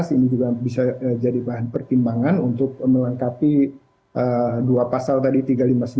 ini juga bisa jadi bahan pertimbangan untuk melengkapi dua pasal tadi tiga ratus lima puluh sembilan